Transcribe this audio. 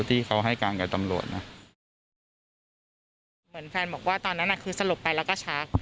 ที่เขาให้การกับตำรวจนะเหมือนแฟนบอกว่าตอนนั้นอ่ะคือสลบไปแล้วก็ชัก